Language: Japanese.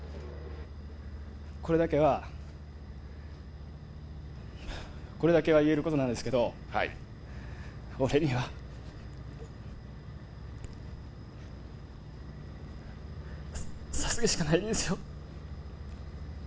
これだけはこれだけは言えることなんですけど俺にはＳＡＳＵＫＥしかないんですよ